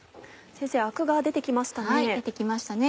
先生アクが出て来ましたね。